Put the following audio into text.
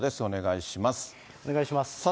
お願いします。